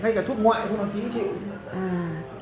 ngay cả thuốc ngoại cũng đăng ký một triệu